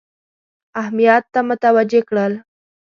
اهمیت ته متوجه کړل.